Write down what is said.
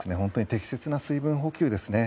適切な水分補給ですね。